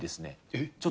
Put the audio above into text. えっ。